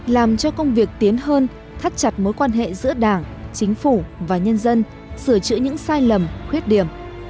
làm cho công việc tiến hơn thắt chặt mối quan hệ giữa đảng chính phủ và nhân dân sửa chữa những sai lầm khuyết điểm